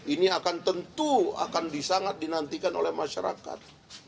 ini akan tentu akan sangat dinantikan oleh masyarakat